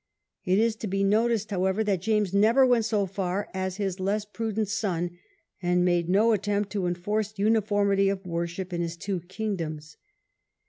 It is to be noticed, however, that James never went so far as his less prudent son, and made no attempt to enforce uniformity of worship in his two kingdoms.